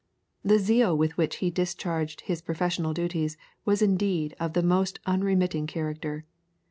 The zeal with which he discharged his professorial duties was indeed of the most unremitting character.